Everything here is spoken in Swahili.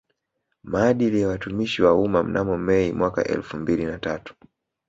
Maadili ya Watumishi wa Umma mnamo Mei mwaka elfumbili na tatu